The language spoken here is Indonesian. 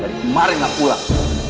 dari kemarin gak pulang